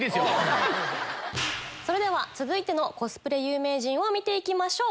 それでは続いてのコスプレ有名人見ていきましょう。